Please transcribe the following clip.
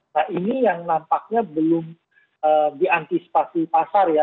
nah ini yang nampaknya belum diantisipasi pasar ya